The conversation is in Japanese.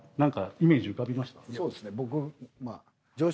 そうですね